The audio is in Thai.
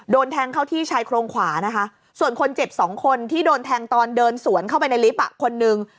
โดนแทงเข้าที่ชายโครงขวานะคะส่วนคนเจ็บสองคนที่โดนแทงตอนเดินสวนเข้าไปในลิฟต์คนนึง